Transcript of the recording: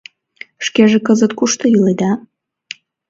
— Шкеже кызыт кушто иледа?